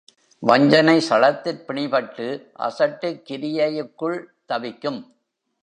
வஞ்சனை சளத்திற் பிணிபட்டு அசட்டுக் கிரியைக்குள் தவிக்கும்.